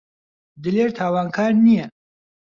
دلێر تاوانکار نییە.